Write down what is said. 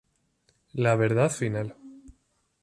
La verdad final.